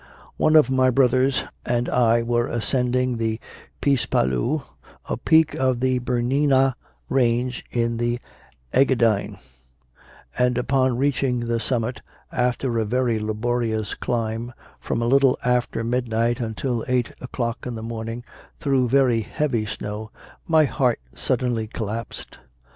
One of my brothers and I were ascending the Piz Palu, a peak of the Bernina range in the Engadine, and upon reaching the summit after a very laborious climb from a little after midnight until eight o clock in the morning through very heavy snow, my heart suddenly collapsed.